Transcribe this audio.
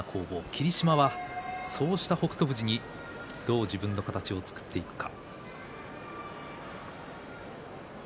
霧島は、そんな北勝富士にどう自分の形を作っていくか。